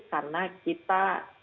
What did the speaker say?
karena kita kita bisa melakukan